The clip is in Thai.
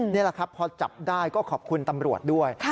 นี่แหละครับพอจับได้ก็ขอบคุณตำรวจด้วย